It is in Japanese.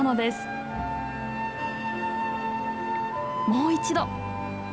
もう一度！